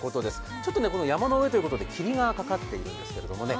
ちょっと山の上ということで霧がかかっているんですけどね。